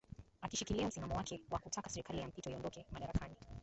akishikilia msimamo wake wa kutaka serikali ya mpito iondoke madarakani